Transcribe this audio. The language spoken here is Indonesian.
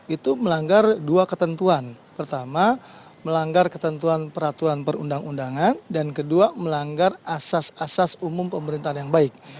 itu melanggar dua ketentuan pertama melanggar ketentuan peraturan perundang undangan dan kedua melanggar asas asas umum pemerintahan yang baik